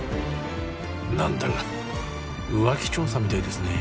何だか浮気調査みたいですね